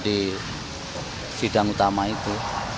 di sidang utama itu